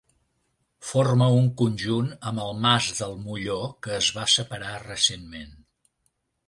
Forma un conjunt amb el Mas del Molló que es va separar recentment.